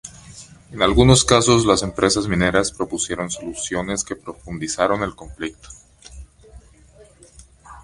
En algunos casos, las empresas mineras propusieron soluciones que profundizaron el conflicto.